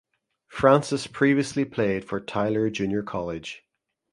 Francis previously played for Tyler Junior College.